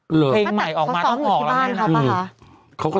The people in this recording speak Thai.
เพลงใหม่ออกมาต้องออกแล้ว